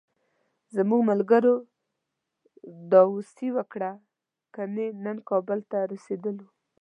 زموږ ملګرو داوسي وکړه، کني نن کابل ته رسېدلو.